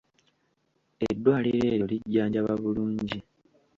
Eddwaliro eryo lijjanjaba bulungi.